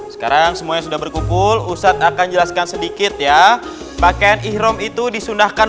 sekarang semuanya sudah berkumpul ustadz akan jelaskan sedikit ya pakaian ikhrom itu disunahkan